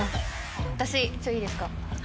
私ちょっといいですか？